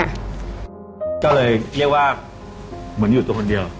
ก็เลยเรียกว่าเหมือนอยู่ตัวคนเดียว